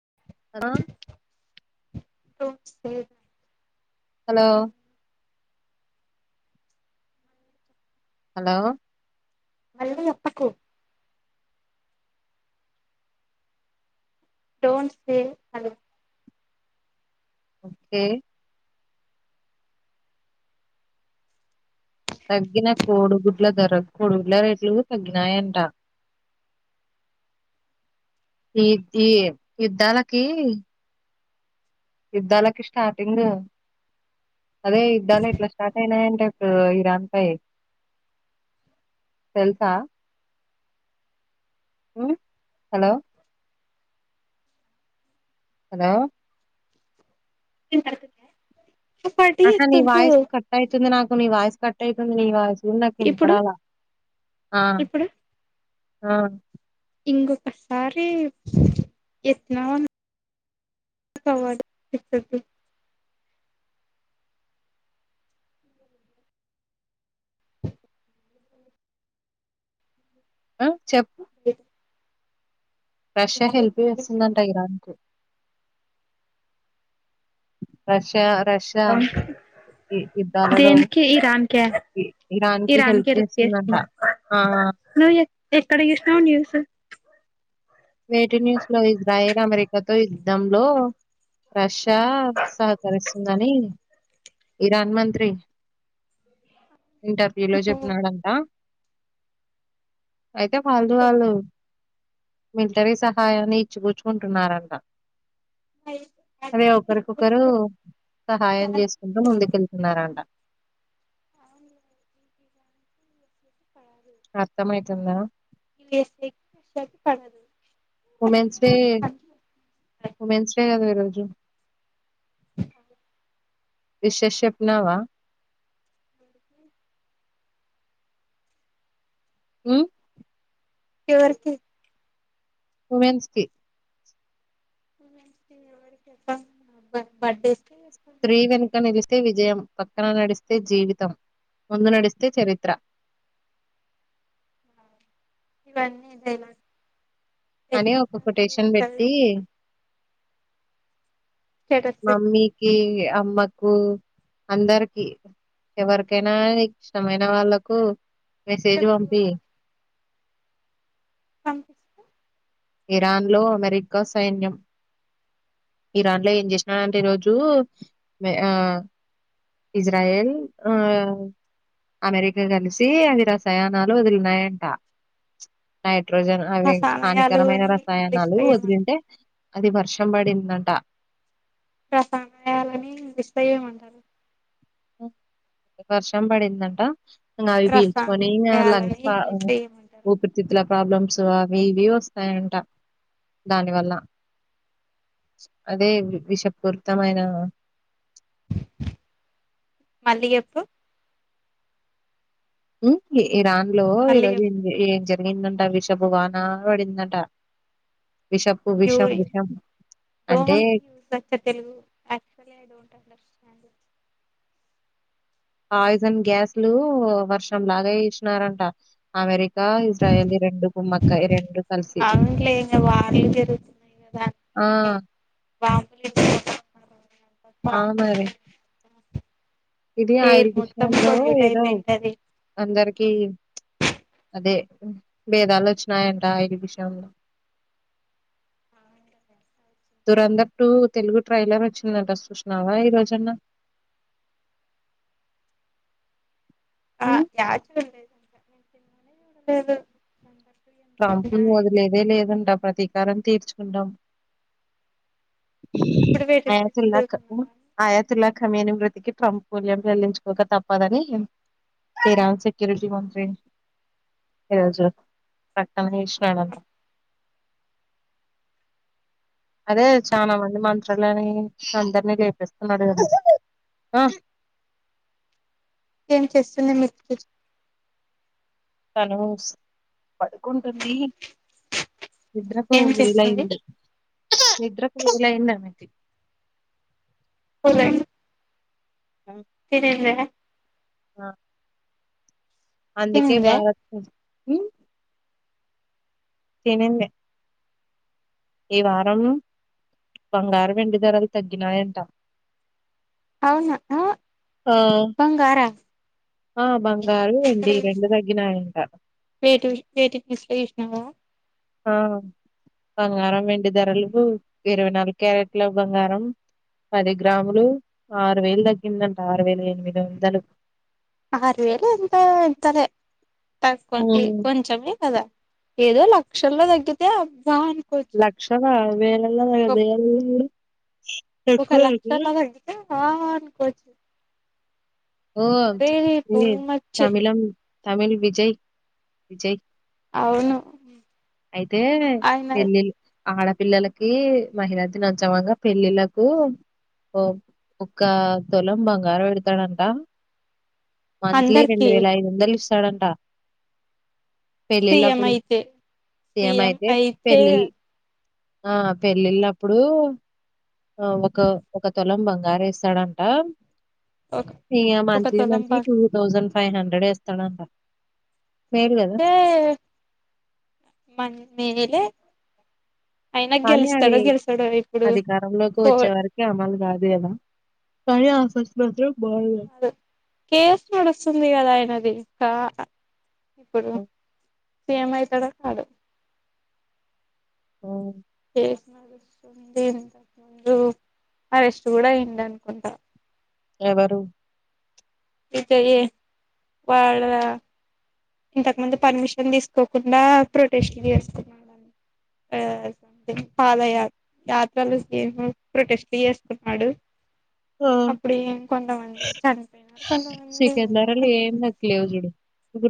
[unintelligible] [unintelligible] Hello hello మళ్ళీ ఒత్తకు don't say hello okay తగ్గిన కోడుగుడ్ల ధర కోడుగుడ్ల రేట్లు తగ్గినాయంట ఈ ఈ యుద్ధాలకి యుద్ధాలకి స్టార్టింగ్ అదే యుద్ధాలు ఏట్లా స్టార్ట్ అయినాయింటే ఇప్పుడు ఇరాన్ పై తెలుసా మ్ హలో హలో ఏం క [unintelligible] ఆహా నీ వాయిస్ కట్ ఐతుంది నా [unintelligible] నీ వాయిస్ కట్ ఐతుంది నీ వాయిస్ ఇందాక ఇప్పుడు ఇనపడాల ఆ ఇప్పుడు ఆ ఇంకొకసారి ఎత్నావ [unintelligible] ఆ చప్ ఓ రష్యా హెల్ప్ చేస్తుందంట ఇరాన్ కు బస్ యుద్ధాలలో దేనికి ఇరాన్ కా ఇరాన్ కి హెల్ప్ చేస్తుందా ఆ నువ్ ఎక్కడ చూసినావ్ న్యూస్ వే టూ న్యూస్ లో ఇజ్రాయల్ అమెరికాతో యుద్ధంలో రష్యా సహకరిస్తుందని ఇరాన్ మంత్రి ఇంటర్వ్యూ లో చెప్నాడంట అయితే ఫాల్దు వాళ్ళు మిలిటరీ సహాయాన్ని ఇచ్చి పూచ్చుకుంటున్నారంట అదే ఒకరికొకరు సహాయం ఇరాన్ చేసు [unintelligible] ముందుకెళ్తున్నారు అం [unintelligible] అ పడదు, అర్థమైతుందా యుఎస్ఏకి రష్యాకి పడదు ఉమెన్స్ డే ఉమెన్స్ డే కాదు [unintelligible] [unintelligible] అ విషేస్ చెప్నావా మ్మ్ ఎవరికి ఉమెన్స్ కి ప్ప [unintelligible] బడ్డే నేన్ చెప్తా తి విజయం పక్కన నడిస్తే జీవితం ముందు నడిస్తే చరిత్ర ఇవన్నీ ఇదెలా అని ఒక కొటేషన్ పెట్టి స్టేటస్ పెట్టు మమ్మీకి అమ్మకు అందరికి ఎవరికైనా ఇష్టమైన వాళ్ళకు మెసేజ్ చెప్పు పంపి పంప్ ఇరాన్ లో అమెరికా సైన్యం ఇరాన్ లో ఏం చేసినడంటే ఈరోజు ఇజ్రాయల్ ఆ అమెరికా కలిసి అవి రసయానాలు వదిలినాయంట నైట్ నైట్రోజన్ అవే హాని రసాయనాలు ఘరమైన అని ఇంగ్లీష్ రసాయనాలు లో వదిలింటే ఏమంటారు అది వర్షం పడిందంట రసయాలని విషయం అంటారు వర్షం పడిందంట ఇంగ అవి పీల్చుకొని ఇంగ రసాయనాలని లంగ్స్ బ ఇంగ్లీష్ లో ఏమంటారు ఊపిరితిత్తుల ప్రాబ్లమ్స్ సో అవి ఇవి వస్తాయంట దాని వల్ల అదే విషపూరితమైన మళ్ళీ జెప్పు హ్మ్ లే ఇరాన్ లో ఈ మళ్ళీ రోజు చెప్పు ఏం జేప్ ఏందట విషపు వానా పడిందట క్యూరీ అంటే don't use [inaudible] Telugu actually I don't understand poison గ్యాస్లు వర్షం లాగ ఇష్నానారంట అమెరి కా ఇజ్రాయల్ ది రెండు గుుమ్మక్కయి రెండు కలిసి అవునులే ఇంగ వార్లు ఆ బాంబులు [inaudible] ఆ మరి ఇది ఎయిర్ ఆయిల్ మొత్తం విషయంలో పొల్యూట్ ఏదో అయిపోయింటది అందరికీ అదే భేదాలోచ్చినయంట [inaudible] విషయంలో దూరందర్ టూ తెలుగు ట్రైలర్ వచ్చిందంట సూస్నావా ఈ రోజన్నా ఆ హ్మ్ యాచ [inaudible] [inaudible] ట్రంప్ ను వదిలేదే లేదన్ ట ప్రతీకారం తీర్చుకుంటాం ఇప్పుడు [unintelligible] వేటి న్యూస్ చదువుతున్నావా తిలాఖమ్యూని మృతికి ట్రంప్ మూల్యం చెల్లించుకోక తప్పదని తీరాన్ సెక్యూరిటీ మంత్రి ఈరోజు ప్రకటన చేషు పోయాడంట అదే చాలా మంది మంత్రులని అందరినీ చేపిస్తున్నాడు కద ఆ ఏం చేస్తుంది మిచెల్ తను పడుకుంటుంది ఇద్ద్రకు ఏం వెల చేస్తుంది ఉంది లా ఎంతమ పోద తినిందా ఆ అందుకే తినిందా బాగాచ్చ హ తినింది ఈ వారం బంగారు, వెండి ధరలు తగ్గినాయంట. అవునా అక్క ఆ బంగారా ఆ! బంగారు, వెండి తగ్గినాయంట. ఎక్కడసినటిటిస్ చసినావా ఆ! బంగారం, వెండి ధరలకు ఇరవై నాలుగు క్యారెట్ల బంగారం పది గ్రాములు ఆరు వేలు తగ్గిందంట. ఆరు వేల ఎనిమిది వంద ఆరు వేల ఎంత ఇంతర తక్కువ ఏ హ్మ్. కొంచమె కదా ఏదో లక్షల్లో తగ్గితే అనుకోవచ్చు లక్షల వేళల్లో వేళ్ళు ఒక లక్ష అన్న తగ్గితే ఆ నుకోవచ్చు ఓ ఏ మచ్ తమిళం తమిళ్ విజయ్ విజయ్ అవును అయితే ఆయన పెళ్లిళ్లకి ఆడపిల్లలకి మహిళ దినోత్సవంగ పెళ్ళిళ్ళలకు ఒక్క తొలం బంగారం పెడతాడంట. మంత్లీ రెండు అందరికి వేల ఐదు వందలు ఇ ఇస్తడంట సిఎం ఐతే సిఎం అయితే ఆ పెళ్లిళ్లప్పుడు ఆ ఒక ఒక తులం బంగారు ఇస్తాడు అంట. ఒక ఈ ఒక మంత్లీ తులం మంత్లీ ఇక టు పంచితే తౌసండ్ ఫైవ్ హండ్రెడ్ వేస్తాడంట మేలు కదా హే మన మేలే అయినా కానీ అవి గెలుస్తాడో గెలుస్తాడో ఇప్పుడు అధికారంలోకి పో వచ్చే వరకు అమలు కాదు కదా. కనీ ఆఫర్స్ మాత్రం బాగున్నాయి కేసు నడుస్తుంది కదా ఆయనది. ఆ ఇప్పుడు సీఎం అయితాడో, కాడో ఆ [inaudible] ఇంతకు ముందు అరెస్ట్ కూడా అయ్యింది అనుకుంటారు ఎవరు అయితే ఏ వాళ్ళ ఇంతకు ముందు పర్మిషన్ తీసుకోకుండా ప్రొటెస్ట్ చేస్తున్నాడు అంట ఆ సమ్థింగ్ పాద యాత్రలు ఏనో ప్రొటెస్ట్ చేస్తున్నాడు ఆ అప్పుడు ఇక కొంతమంది చనిపోయినారు కొంతమంది చికెన్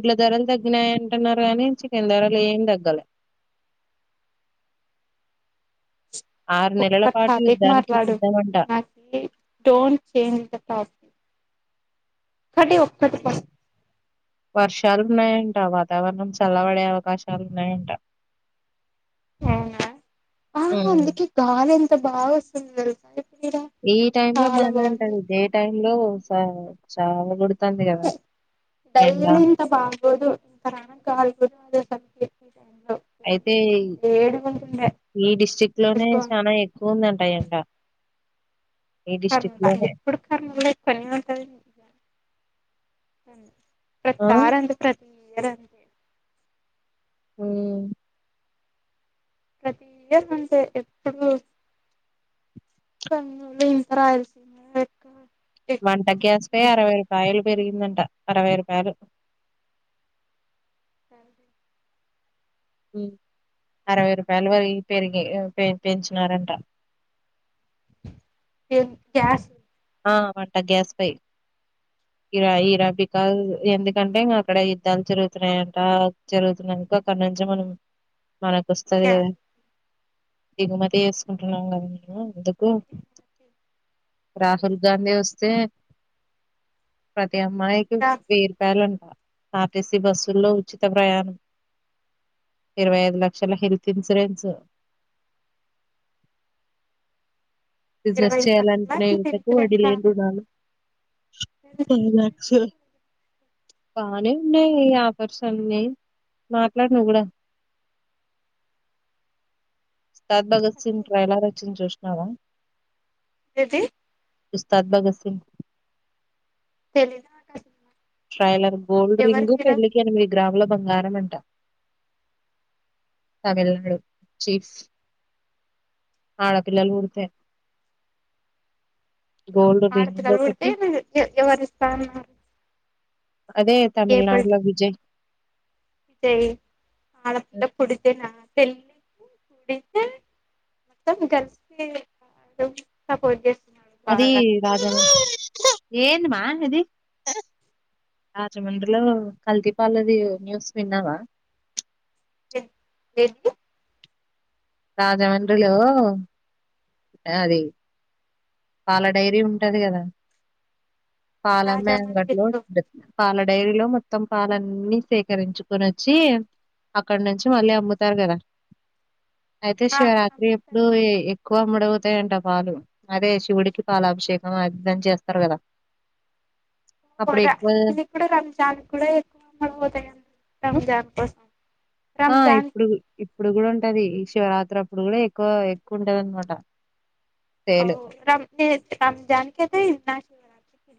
ఇట్ల ధరలు తగ్గినాయింటున్నారు కానీ చికెన్ ధరలు ఏం తగ్గలే ఆరు ఒక్క నెలల పాటు టాపిక్ యుద్ధానికి మాట్లాడు సిద్ధమంట నాకి డోంట్ చేంజ్ ద టాపిక్ ఒక్కటే ఒక్కటి కోశాన్ వర్షాలు ఉన్నాయంట వాతావరణం చల్లబడే అవకాశాలు ఉన్నాయంట అవునా ఆ హ్మ్. అందుకే గాలులు ఎంత బాగా వస్తున్నాయో తెలుసా ఇప్పుడు ఈడ ఈ టైంలో చాలా బాగానే బాగుంది ఉంటాది డే టైం లో సా చావ కొడుతుంది డైలీ ఇంత బాగోదు ఇక్కడ గాలి కూడా ఆడదు [inaudible] అయితే మీ డిస్ట్రిక్ ఈరోజు లోనే బాగుంది చాలా ఎక్కువ ఉంది అను ఎండ ఈ కర్నూలు డిస్ట్రిక్ట్‌లోనే. ఎప్పుడు కర్నూలు పని ఉంటది హు ఆ! ప్రతిసారి అంతే ప్ర [inaudible] ఊ ప్రతి ఇయర్ అంతే ఎప్పుడు కర్నూలు రాయలసీమ ఎక్కువ వంట గ్యాస్ పై అరవై రూపాయలు పెరిగిందంట అరవై రుపాయలు సరే ఉ అరవై రూపాయలు వర పెరిగి పెంచినారంట ఏ క్యాసు ఆ అమంట గ్యాస్ పై ఇరా ఇ రబిక ఎందుకంటే ఇంకా అక్కడ యుద్ధాలు జరుగుతున్నాయంట జరుగుతున్నాకా అక్కడ నుంచి మనం మనకోస్తుంది కద గ్యాస్ దిగుమతి వేసుకుంటున్నాం కదా నేను ఎందుకు రాహుల్ గాంధీ వస్తే ఈ అమ్మాయికి వేయిరుపాయలు ఆర్టీసీ బస్సుల్లో ఉచిత ప్రయాణం ఇరవై ఐదు లక్షల హెల్త్ ఇన్సూరెన్స్ బిజినెస్ ఇరవై ఐదు లక్షల చేయాలనుకునే హెల్త్ యువతకు వడ్డి ఇన్సూరెన్స్ లేని రుణాలు హెల్త్ ఇన్సూరెన్స్ [inaudible] బానే ఉన్నాయి ఆఫర్స్ అన్ని మాట్లాడు నువ్వు కూడా ఉస్తాద్ భగత్ సింగ్ ట్రైలర్ వచ్చింది చూసినావ నావ ఏది ఉస్తాద్ భగత్ సింగ్ లేదా ఆకాశ ఉన్నా ట్రైలర్ గోల్డ్ రింగు పెళ్లికి ఎనిమిది గ్రాముల బంగారం అంట తమిళనాడు చీఫ్ ఆడపిల్లలు పుడితే గోల్డ్ రింగ్ ఆడపిల్లలు పుడితే ఒకటి మీరు ఎ ఎవరిస్తాన్నారు. అదే తమిళనాడులో ఏప్రిల్టీ విజయ్ ఎప్ ఆడపిల్ల పుడితెనా తెళ్లికి కుడితే మొత్తం కలిసి సపోర్ట్ చేస్తము. అది రాజా ఏంది మా ఇది ఆ రాజమండ్రిలో కల్తీపాలది న్యూస్ విన్నావా. ఎప్పు ఏమీటి రాజమండ్రిలో ఆది పాల డైరీ ఉంటది కదా పాలమ్మే రాజా అంగట్లో మందిర్లో పాల డైరీలో మొత్తం పాలన్నీ సేకరించుకొని వచ్చి అక్కడ నుంచి మళ్ళీ అమ్ముతారు కదా అయితే ఆ శివరాత్రి అమిత్ ఎప్పుడు ఏక్ ఎక్కువ ముడుగుతాయంట పాాలు అదే ఇష్ శివుడికి పాలాభిషేకం అది ఇది అని చేస్తరు కదా అప్పుడు పొర ఎక్కువ నువ్వు ఇప్పుడు రంజాన్ కూడ ఎక్కువ పోతం రంజాన్ కోసం ఆ రంజాన్ కి ఇప్పుడిది ఇప్పుడు కూడా ఉం టది శివరాత్రి అప్పుడు కూడా ఎక్కువ ఎక్కువ ఉంటది అనమాట అవ్ రం రంజాన్ కేతే పోవచ్చు.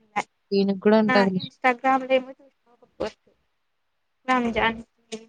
దీనికి గూడా మొన్న ఉంటది. ఇన్స్టగ్రామ్లో ఏమో చూసినా ఒక పోస్ట్ రంజాన్ కు